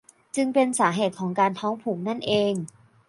จึงเป็นสาเหตุของการท้องผูกนั่นเอง